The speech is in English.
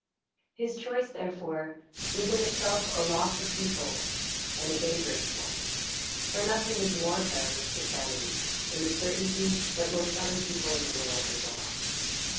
His choice, therefore, was in itself a loss of control and a dangerous one, for nothing is more perilous to sanity than the certainty that most other people in the world are wrong.